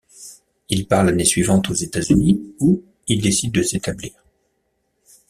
Il part l'année suivante aux États-Unis, où il décide de s'établir.